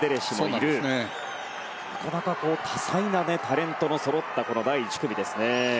なかなか多彩なタレントのそろった第１組ですね。